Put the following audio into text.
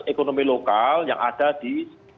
ekonomi lokal yang ada di